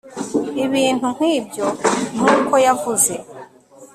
ibintu nk'ibyo, nk'uko yavuze